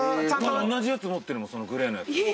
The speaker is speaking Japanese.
同じやつ持ってるもんそのグレーのやつ。